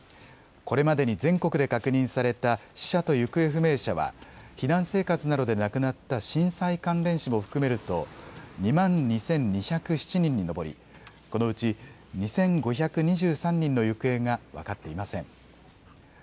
これまでに全国で確認された死者と行方不明者は避難生活などで亡くなった震災関連死も含めると２万２２０７人に上り、このうち２５２３人の行方が分かっていません。